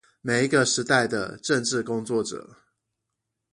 每一個時代的政治工作者